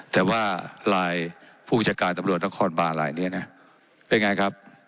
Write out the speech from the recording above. แต่ว่าลายผู้จัดการตำรวจนักฮอลบาลอะไรเนี้ยนะเป็นไงครับ